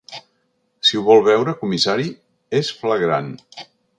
Si ho vol veure, comissari, és flagrant.